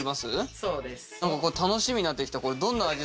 そうです。